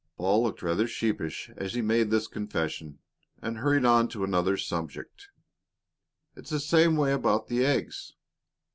Paul looked rather sheepish as he made this confession, and hurried on to another subject. "It's the same way about the eggs.